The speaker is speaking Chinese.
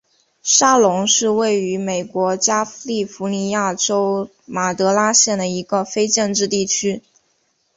沙龙是位于美国加利福尼亚州马德拉县的一个非建制地区。